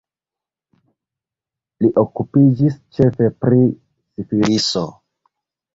Li okupiĝis ĉefe pri sifiliso.